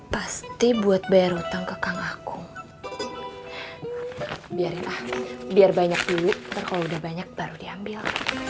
pasti buat bayar utang ke kang ako biarin ah biar banyak dulu ntar kalau udah banyak baru diambil